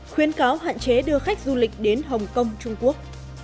khuyến cáo hạn chế đưa khách du lịch đến hồng kông trung quốc